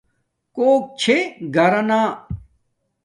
کوکو چھے گھرانا